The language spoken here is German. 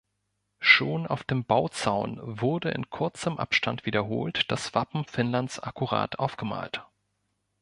Schon auf dem Bauzaun wurde in kurzem Abstand wiederholt das Wappen Finnlands akkurat aufgemalt.